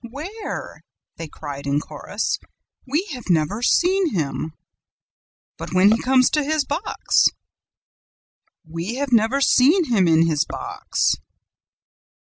Where?' they cried, in chorus. 'We have never seen him!' "'But when he comes to his box?' "'WE HAVE NEVER SEEN HIM IN HIS BOX.'